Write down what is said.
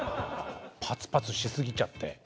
パツパツしすぎちゃって。